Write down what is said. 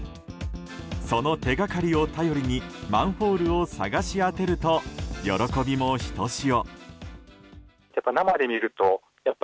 その手掛かりを頼りにマンホールを探し当てると喜びもひとしお。